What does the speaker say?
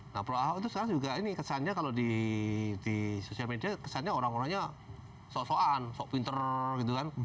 nah pro ahok itu sekarang juga ini kesannya kalau di sosial media kesannya orang orangnya sok soan sok pinter gitu kan